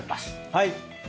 はい。